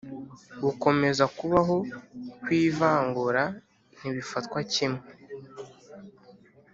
gukomeza kubaho kw ivangura ntibifatwa kimwe